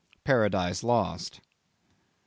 —Paradise Lost.